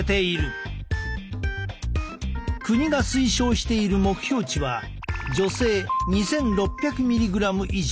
国が推奨している目標値は女性２，６００ｍｇ以上男性